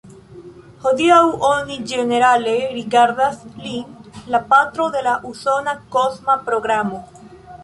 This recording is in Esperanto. Hodiaŭ oni ĝenerale rigardas lin la patro de la usona kosma programo.